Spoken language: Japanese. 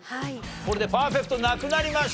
これでパーフェクトなくなりました。